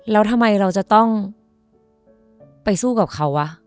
แล้วทำไมเราจะต้องไปสู้กับเขา